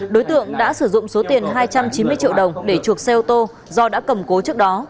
đối tượng đã sử dụng số tiền hai trăm chín mươi triệu đồng để chuộc xe ô tô do đã cầm cố trước đó